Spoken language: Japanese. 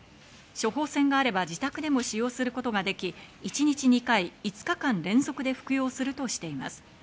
処方せんがあれば自宅でも使用することができ、一日２回、５日間連続で服用するとしています。